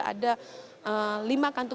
ada lima kantor